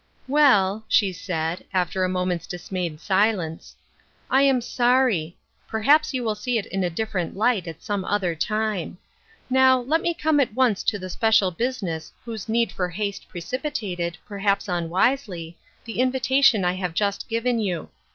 " Well," she said, after a moment's dismayed silence, " I am sorry. Perhaps you will see it in a different light at some other time. Now, let me come at once to the special business whose need for haste precipitated, perhaps unwisely, the invi tation I have just given you.